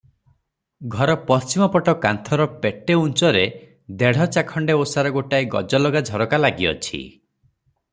ଘର ପଶ୍ଚିମ ପଟ କାନ୍ଥର ପେଟେ ଉଞ୍ଚରେ ଦେଢ଼ ଚାଖଣ୍ତେ ଓସାର ଗୋଟାଏ ଗଜଲଗା ଝରକା ଲାଗିଅଛି ।